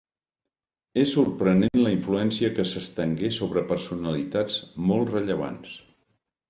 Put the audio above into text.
És sorprenent la influència que s'estengué sobre personalitats molt rellevants.